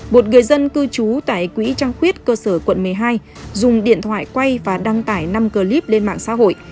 một người dân cư trú tại quỹ trăng khuyết cơ sở quận một mươi hai dùng điện thoại quay và đăng tải năm clip lên mạng xã hội